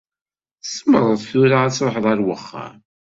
Tzemreḍ tura ad tṛuḥeḍ ar wexxam.